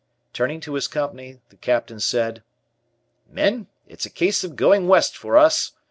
Turning to his Company, the Captain said: "Men, it's a case of going West for us.